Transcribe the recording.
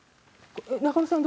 中野さん